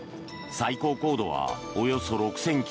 最高高度はおよそ６０００ｋｍ。